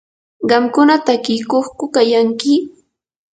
¿qamkuna takiykuqku kayanki?